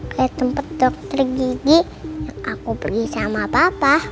kayak tempat dokter gigi yang aku pergi sama bapak